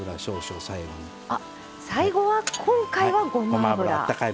最後、今回は、ごま油。